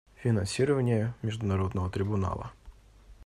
Финансирование Международного трибунала.